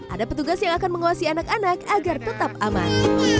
ada petugas yang akan menguasai anak anak agar tetap aman